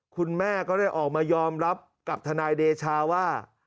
คุณแม่ก็ได้ออกมายอมรับกับทนายเดชาว่า